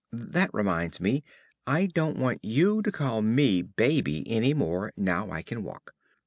That reminds me, I don't want you to call me "Baby" any more now I can walk.